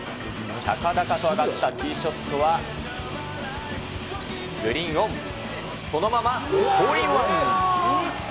高々と上がったティーショットは、グリーンオン、そのままホールインワン。